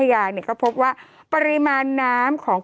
โทษทีน้องโทษทีน้อง